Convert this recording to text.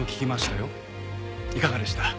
いかがでした？